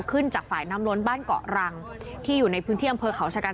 จากฝ่ายน้ำล้นบ้านเกาะรังที่อยู่ในพื้นที่อำเภอเขาชะกัน